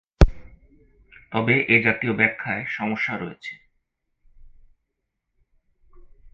তবে এ জাতীয় ব্যাখ্যায় সমস্যা রয়েছে।